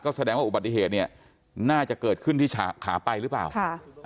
แสดงว่าอุบัติเหตุเนี่ยน่าจะเกิดขึ้นที่ขาไปหรือเปล่าค่ะ